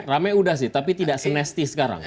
rame sudah sih tapi tidak senesti sekarang